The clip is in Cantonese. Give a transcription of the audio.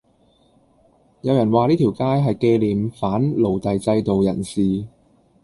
有人話呢條街係記念反奴隸制度人士